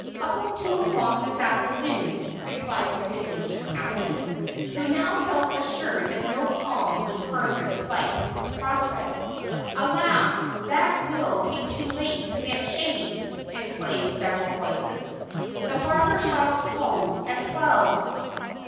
"About two o'clock this afternoon," replied the good natured captain, who now felt assured that no calm would further blight his prospects. "Alas! that will be too late to get shaved," exclaimed several voices "the barber shops close at twelve."